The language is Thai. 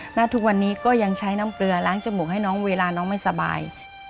และทุกวันนี้ก็ยังใช้น้ำเกลือล้างจมูกให้น้องเวลาน้องไม่สบาย